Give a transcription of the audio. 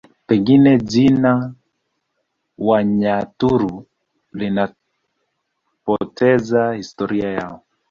Pengine jina Wanyaturu linapoteza historia yao